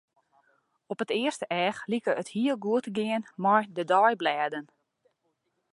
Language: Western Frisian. Op it earste each liket it hiel goed te gean mei de deiblêden.